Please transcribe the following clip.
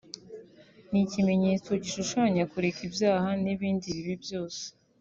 ni ikimenyetso gishushanya kureka ibyaha n’ibibi byose